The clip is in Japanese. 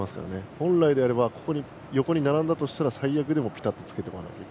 本来であれば横に並んだとしたら最悪でもぴたっとつけておきたい。